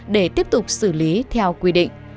để tiếp tục xử lý theo quy định